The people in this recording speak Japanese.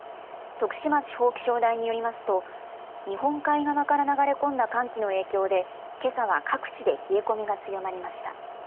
徳島地方気象台によりますと日本海側から流れ込んだ寒気の影響で、けさは各地で冷え込みが強まりました。